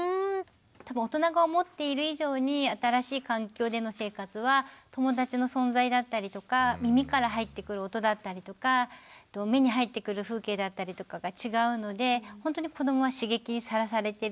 多分大人が思っている以上に新しい環境での生活は友達の存在だったりとか耳から入ってくる音だったりとか目に入ってくる風景だったりとかが違うので本当に子どもは刺激にさらされていると思うんですね。